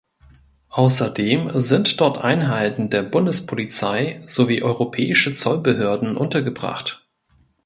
Außerdem sind dort Einheiten der Bundespolizei sowie europäische Zollbehörden untergebracht.